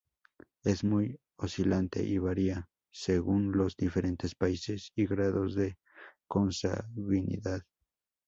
Es muy oscilante y varía según los diferentes países y grados de consanguinidad.